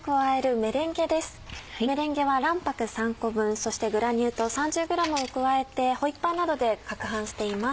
メレンゲは卵白３個分そしてグラニュー糖３０ｇを加えてホイッパーなどで攪拌しています。